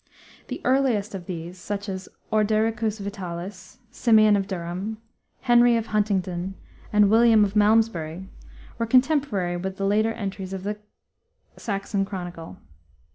The earliest of these, such as Ordericus Vitalis, Simeon of Durham, Henry of Huntingdon, and William of Malmesbury, were contemporary with the later entries of the Saxon chronicle.